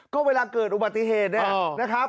ก็เวลาเกิดอุบัติเหตุเนี่ยนะครับ